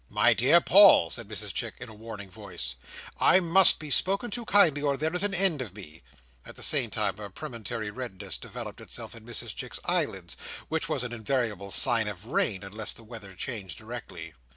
"My dear Paul," said Mrs Chick, in a warning voice, "I must be spoken to kindly, or there is an end of me," at the same time a premonitory redness developed itself in Mrs Chick's eyelids which was an invariable sign of rain, unless the weather changed directly.